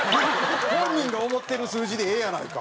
本人が思ってる数字でええやないか。